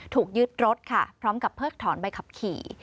ถูกยึดรถค่ะพร้อมกับเพิกถอนใบขับขี่